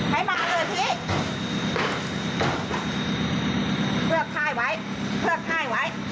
เพิ่งไห้ไว้